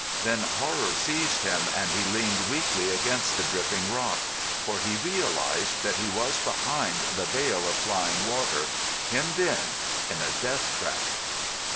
Then horror seized him, and he leaned weakly against the dripping rock—for he realised that he was behind the Veil of Flying Water, hemmed in—in a deathtrap.